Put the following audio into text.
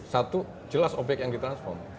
satu jelas obyek yang ditransform